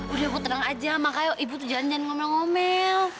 udah bu tenang aja maka ibu tuh jalan jalan ngomel ngomel